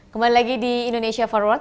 kembali lagi di indonesia forward